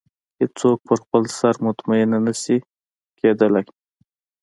هېڅ څوک په خپل سر مطمئنه نه شي کېدلی.